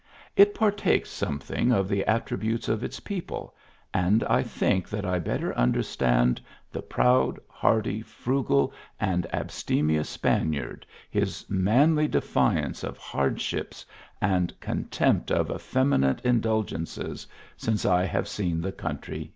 It partakes sorrfething of the attri butes of its people, and I think that I better under stand the proud, hardy, frugal and ,v Span iard, his manly defiance of hardships, and contempt of effeminate indulgences, since 1 have seen the coun trv r